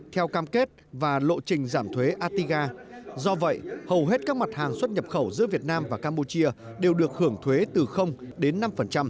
theo cam kết và lộ trình giảm thuế atiga do vậy hầu hết các mặt hàng xuất nhập khẩu giữa việt nam và campuchia đều được hưởng thuế từ đến năm